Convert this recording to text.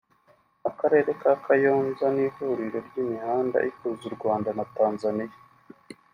Akarere ka Kayonza ni ihuriro ry’imihanda ihuza u Rwanda na Tanzania